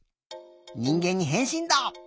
にんげんにへんしんだ！